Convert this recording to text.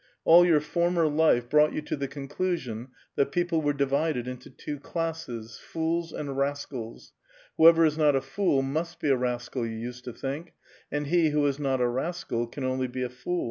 All your former life brought you to the conclusion that peo])le were divided into two classes, — fools and rascals :*' Whoever is not a fool must be a rascal," you used to think ;" and he who is not a rascal can only be a fool."